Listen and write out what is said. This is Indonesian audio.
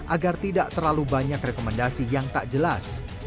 agar tidak terlalu banyak rekomendasi yang tak jelas